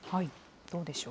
どうでしょう。